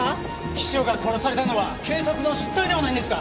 秘書が殺されたのは警察の失態ではないんですか？